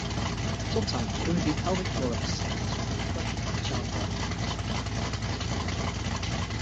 Sometimes women do pelvic floor exercises for compression after childbirth.